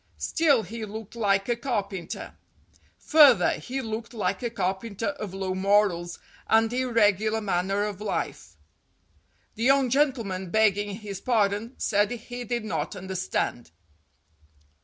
Still, he looked like a carpenter. Further, he looked like a carpenter of low morals and irregular manner of life. The young gentleman, begging his pardon, said he did not understand.